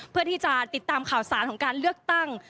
เพื่อที่จะติดตามข่าวสารของการเลือกตั้ง